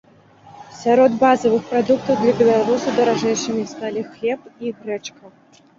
Сярод базавых прадуктаў для беларусаў даражэйшымі сталі хлеб і грэчка.